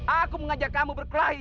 aku mengajak kamu berkelahi